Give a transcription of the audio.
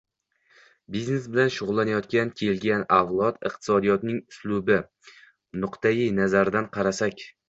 Biznes bilan shugʻullanayotgan kelgan avlod iqtisodiyotning uslubi, nuqatai nazaridan qarasak